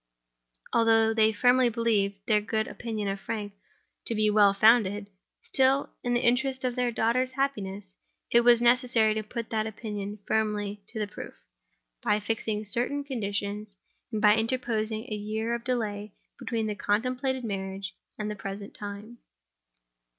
Although they firmly believed their good opinion of Frank to be well founded—still, in the interest of their daughter's happiness, it was necessary to put that opinion firmly to the proof, by fixing certain conditions, and by interposing a year of delay between the contemplated marriage and the present time.